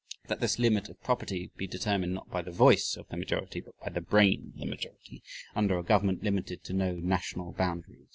That this limit of property be determined not by the VOICE of the majority but by the BRAIN of the majority under a government limited to no national boundaries.